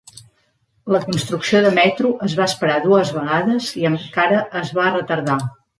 La construcció de metro es va esperar dues vegades i encara es va retardar.